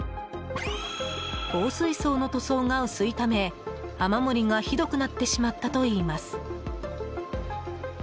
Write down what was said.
防水層の塗装が薄いため雨漏りがひどくなってしまったといいます。